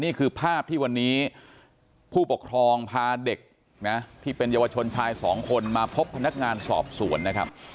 นี่คือภาพที่วันนี้ผู้ปกครองพาเด็กนะที่เป็นเยาวชนชายสองคนมาพบพนักงานสอบสวนนะครับ